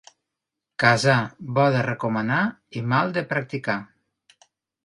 Casar, bo de recomanar i mal de practicar.